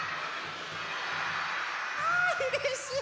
あうれしい！